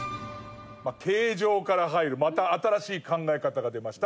形状から入るまた新しい考え方が出ました。